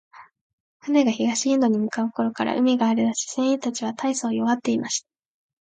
船が東インドに向う頃から、海が荒れだし、船員たちは大そう弱っていました。